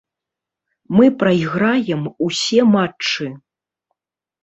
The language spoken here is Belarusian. Мы прайграем усе матчы.